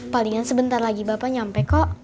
palingan sebentar lagi bapak nyampe kok